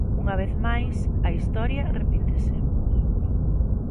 Unha vez máis, a historia repítese.